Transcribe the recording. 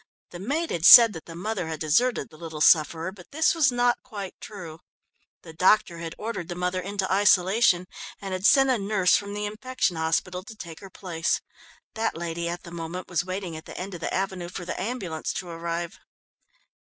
The maid had said that the mother had deserted the little sufferer, but this was not quite true. The doctor had ordered the mother into isolation, and had sent a nurse from the infection hospital to take her place. That lady, at the moment, was waiting at the end of the avenue for the ambulance to arrive.